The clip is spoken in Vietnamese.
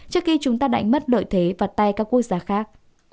trước khi chúng ta đánh mất đợi thế và tay các quốc gia khác